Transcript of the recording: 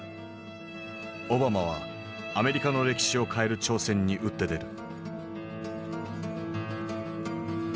オバマはアメリカの歴史を変える挑戦に打って出る。